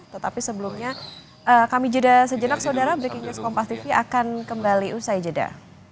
tetapi sebelumnya kami jeda sejenak saudara breaking news kompas tv akan kembali usai jeda